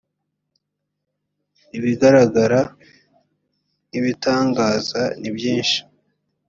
ibigaragara nk ibitangaza nibyishi.